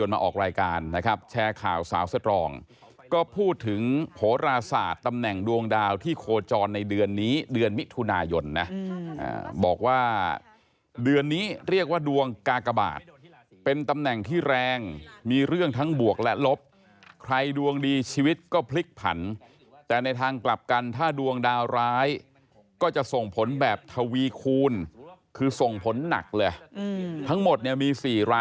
มาออกรายการนะครับแชร์ข่าวสาวสตรองก็พูดถึงโหราศาสตร์ตำแหน่งดวงดาวที่โคจรในเดือนนี้เดือนมิถุนายนนะบอกว่าเดือนนี้เรียกว่าดวงกากบาทเป็นตำแหน่งที่แรงมีเรื่องทั้งบวกและลบใครดวงดีชีวิตก็พลิกผันแต่ในทางกลับกันถ้าดวงดาวร้ายก็จะส่งผลแบบทวีคูณคือส่งผลหนักเลยทั้งหมดเนี่ยมี๔ราย